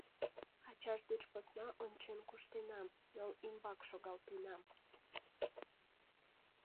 Ачаж деч посна ончен куштенам, йол ӱмбак шогалтенам.